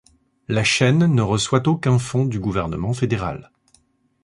La chaîne ne reçoit aucun fonds du gouvernement fédéral.